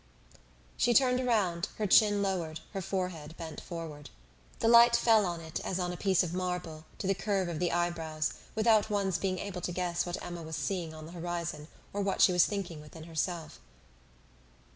She turned around, her chin lowered, her forehead bent forward. The light fell on it as on a piece of marble, to the curve of the eyebrows, without one's being able to guess what Emma was seeing on the horizon or what she was thinking within herself.